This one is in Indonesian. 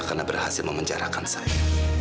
karena berhasil memenjarakan saya